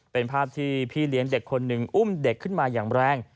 เป็นภาพที่พี่เลี้ยงเด็กคนหนึ่งอุ้มเด็กขึ้นมาอย่างแรง